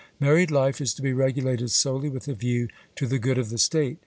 Married life is to be regulated solely with a view to the good of the state.